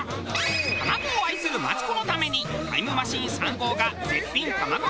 卵を愛するマツコのためにタイムマシーン３号が絶品卵料理を大調査！